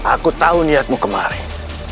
aku tahu niatmu kemarin